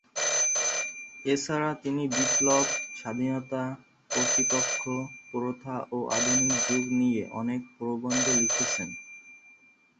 এছাড়া তিনি বিপ্লব, স্বাধীনতা, কর্তৃপক্ষ, প্রথা ও আধুনিক যুগ নিয়ে অনেক প্রবন্ধ লিখেছেন।